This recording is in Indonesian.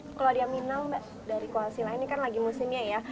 kalau dia minang mbak dari kuasila ini kan lagi musimnya ya